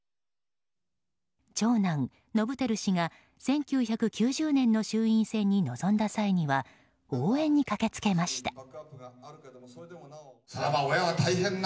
長男・伸晃氏が１９９０年の衆院選に臨んだ際には応援に駆けつけました。